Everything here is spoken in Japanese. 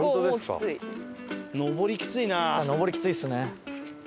上りきついですね。